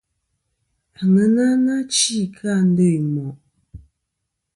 Àŋena nà chi kɨ a ndo i mòʼ.